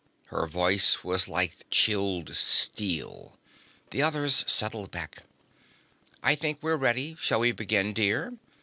Her voice was like chilled steel. The others settled back. "I think we're ready. Shall we begin, dear?"